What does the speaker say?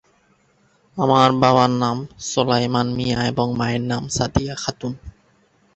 তার বাবার নাম সোলায়মান মিয়া এবং মায়ের নাম সাদিয়া খাতুন।